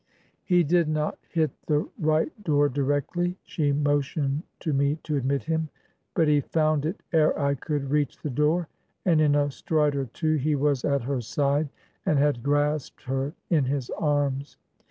"He did not hit the right door directly; she motioned to me to admit him, but he found it ere I could reach the door, and in a stride or two he was at her side, and had grasped her in his arms.